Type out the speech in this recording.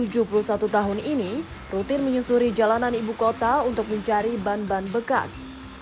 tujuh puluh satu tahun ini rutin menyusuri jalanan ibu kota untuk mencari ban ban bekas